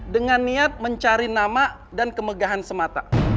dengan niat mencari nama dan kemegahan semata